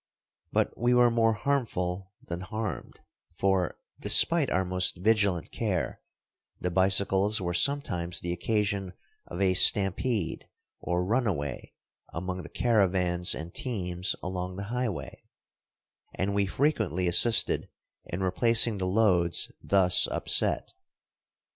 But we were more harmful than harmed, for, despite our most vigilant care, the bicycles were sometimes the occasion of a stampede or runaway among the caravans and teams along the highway, and we frequently assisted in replacing the loads thus upset.